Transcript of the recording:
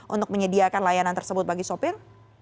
untuk menyediakan layanan tersebut bagi sopir